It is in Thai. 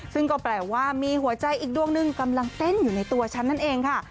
ซึ่งก็แปลว่ามีหัวใจอีกดวงหนึ่งกำลังเต้นอยู่ในตัวฉันนั่นเองค่ะ